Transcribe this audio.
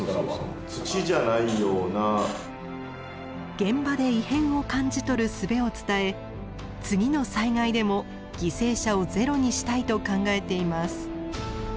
現場で異変を感じ取るすべを伝え次の災害でも犠牲者をゼロにしたいと考えています。